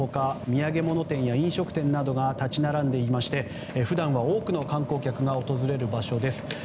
土産物店や飲食店などが立ち並んでいまして普段は多くの観光客が訪れる場所です。